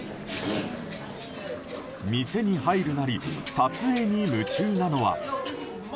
店に入るなり撮影に夢中なのは。